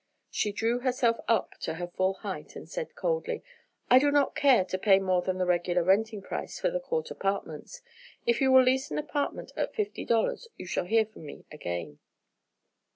She drew herself up to her full height and said coldly: "I do not care to pay more than the regular renting price for the Court Apartments. If you will lease an apartment at fifty dollars, you shall hear from me again."